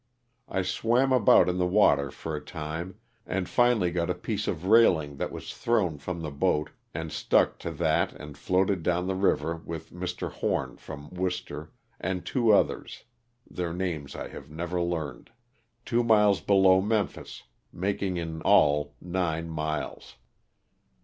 I swam about in the water for a time, and finally got a piece of railing that was thrown from the boat and stuck to that and floated down the river with Mr. Horn from Wooster, and two others, (their names I have never learned,) two miles below Memphis, making in all nine miles.